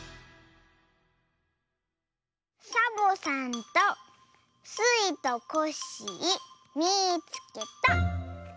「サボさんとスイとコッシーみいつけた」。